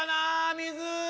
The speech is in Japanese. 水！